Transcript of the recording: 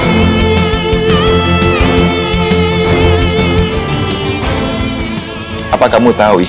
iya pak man